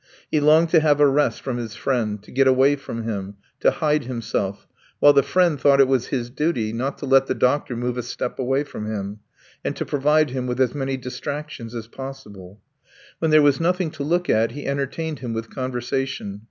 He longed to have a rest from his friend, to get away from him, to hide himself, while the friend thought it was his duty not to let the doctor move a step away from him, and to provide him with as many distractions as possible. When there was nothing to look at he entertained him with conversation.